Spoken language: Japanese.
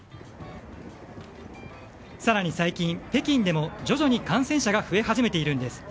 更に最近、北京でも徐々に感染者が増え始めているんです。